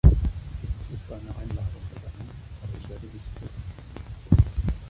Es ist eine Einladung ergangen, aber ich werde dies prüfen.